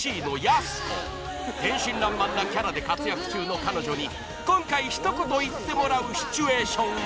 ［天真らんまんなキャラで活躍中の彼女に今回一言言ってもらうシチュエーションは？］